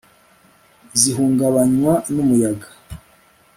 zihungabanywa n'umuyaga